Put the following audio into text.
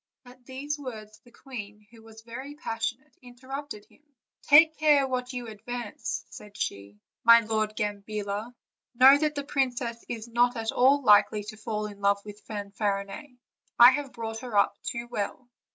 At these words the queen, who was very passionate, interrupted him: "Take care what you advance," said she, "my Lord Gambilla; know that the princess is not at all likely to fall in love with Fanfarinet; I have brought her up too well."